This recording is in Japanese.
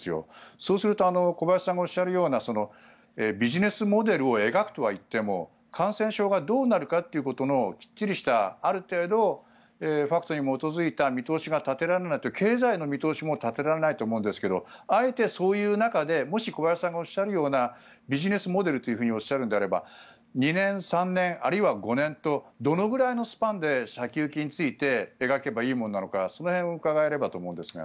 そうすると小林さんがおっしゃるようなビジネスモデルを描くとはいっても感染症がどうなるかということのきちんとしたある程度ファクトに基づいた見通しが立てられないと経済の見通しも立てられないと思うんですがあえてそういう中でもし小林さんがおっしゃるようなビジネスモデルとおっしゃるのであれば２年、３年、あるいは５年とどのぐらいのスパンで先行きについて描けばいいものなのかその辺を伺えればと思うんですが。